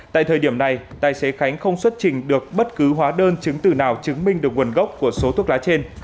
tại thời điểm này tài xế khánh không xuất trình được bất cứ hóa đơn chứng từ nào chứng minh được nguồn gốc của số thuốc lá trên